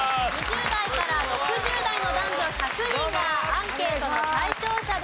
２０代から６０代の男女１００人がアンケートの対象者です。